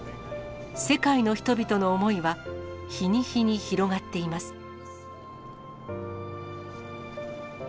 世界の人々の思いは、日に日に広がっています。